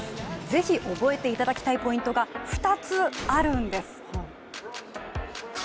ぜひ覚えていただきたいポイントが２つあるんです。